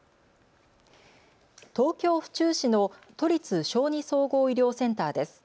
東京府中市の都立小児総合医療センターです。